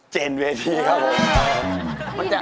เจนเวทีครับผม